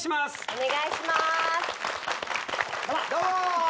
お願いします